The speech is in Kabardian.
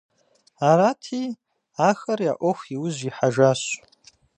Арати, ахэр я Ӏуэху и ужь ихьэжащ.